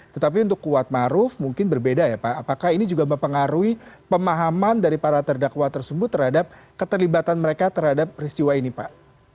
tetapi untuk kuat maruf mungkin berbeda ya pak apakah ini juga mempengaruhi pemahaman dari para terdakwa tersebut terhadap keterlibatan mereka terhadap peristiwa ini pak